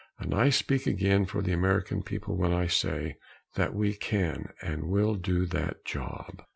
And I speak again for the American people when I say that we can and will do that job.